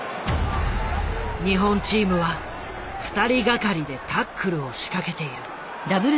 日本チームは２人がかりでタックルを仕掛けている。